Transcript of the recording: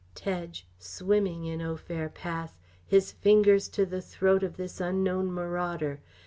Tedge, swimming in Au Fer Pass, his fingers to the throat of this unknown marauder!